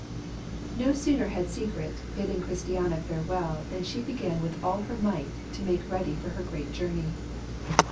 No sooner had Secret bidden Christiana farewell than she began with all her might to make ready for her great journey.